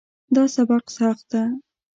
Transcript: دا سبق سخت ده